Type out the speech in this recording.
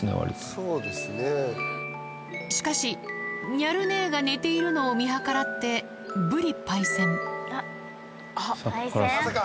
しかしニャル姉が寝ているのを見計らってぶりパイセンさぁ